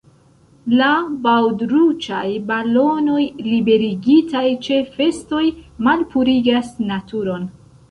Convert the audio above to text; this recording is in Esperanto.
La baŭdruĉaj balonoj liberigitaj ĉe festoj malpurigas naturon.